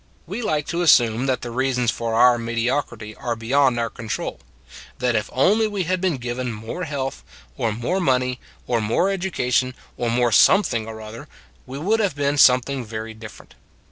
We like to assume that the reasons for our medioc rity are beyond our control that if only we had been given more health or more money or more education or more some thing or other, we would have been some thing very different.